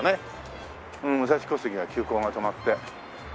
武蔵小杉は急行が止まって。